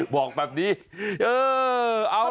บอกแบบนี้เฮ่ยเอาละ